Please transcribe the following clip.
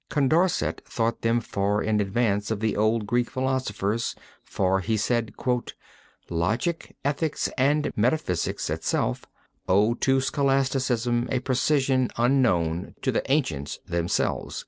Condorcet thought them far in advance of the old Greek philosophers for, he said, "Logic, ethics, and metaphysics itself, owe to scholasticism a precision unknown to the ancients themselves."